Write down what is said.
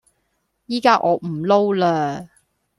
依家我唔撈喇